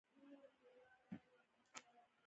موږ سوله غواړو.